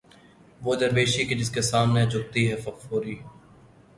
وہ درویشی کہ جس کے سامنے جھکتی ہے فغفوری